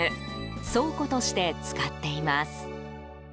倉庫として使っています。